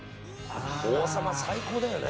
王様最高だよね。